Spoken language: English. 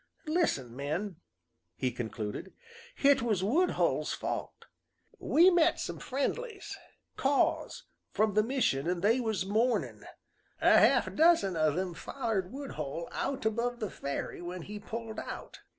"Listen, men," he concluded, "hit was Woodhull's fault. We met some friendlies Kaws from the mission, an' they was mournin'. A half dozen o' them follered Woodhull out above the ferry when he pulled out.